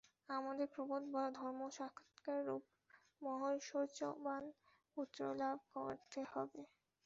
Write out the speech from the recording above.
আমাদের প্রবোধ বা ধর্মসাক্ষাৎকার-রূপ মহৈশ্বর্যবান পুত্রলাভ করতে হবে।